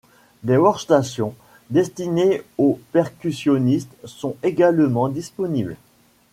Des workstations destinés aux percussionnistes sont également disponibles.